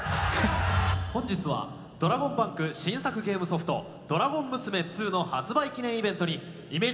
本日はドラゴンバンク新作ゲームソフトドラゴン娘２の発売記念イベントにイメージ